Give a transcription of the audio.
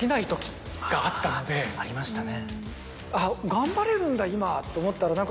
ありましたね。